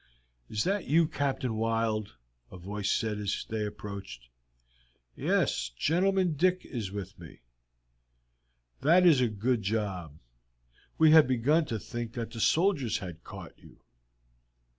"Is that you, Captain Wild?" a voice said as they approached. "Yes; Gentleman Dick is with me." "That is a good job. We had begun to think that the soldiers had caught you."